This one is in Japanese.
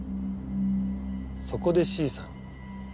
そこでＣさん